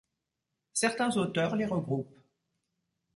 Certains auteurs les regroupent.